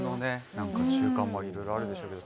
何か習慣もいろいろあるでしょうけど。